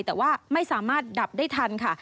แต่ว่าไม่สามารถดับได้ทันค่ะ